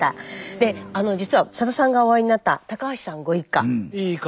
で実はさださんがお会いになった橋さんご一家。